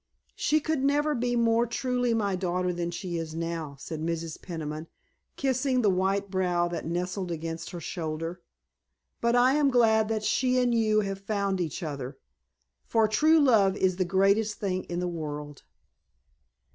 "She could never be more truly my daughter than she is now," said Mrs. Peniman, kissing the white brow that nestled against her shoulder. "But I am glad that she and you have found each other, for true love is the greatest thing in the world."